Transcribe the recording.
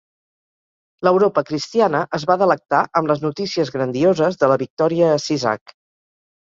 L'Europa cristiana es va delectar amb les notícies grandioses de la victòria a Sisak.